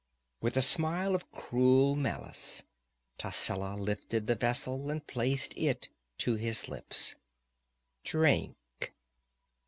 With a smile of cruel malice, Tascela lifted the vessel and placed it to his lips. "Drink!"